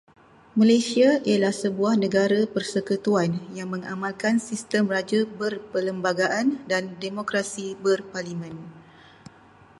Malaysia ialah sebuah negara persekutuan yang mengamalkan sistem Raja Berperlembagaan dan Demokrasi Berparlimen.